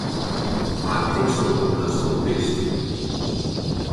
Wa tinksto wol datsto bist!